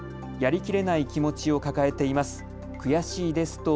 やりきれない気持ちを抱えています。